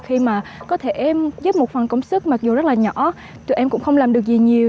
khi mà có thể giúp một phần công sức mặc dù rất là nhỏ tụi em cũng không làm được gì nhiều